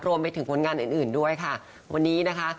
รวมไปถึงผลงานอื่นอื่นด้วยค่ะวันนี้นะคะ